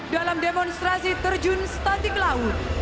dalam demonstrasi terjun statik laut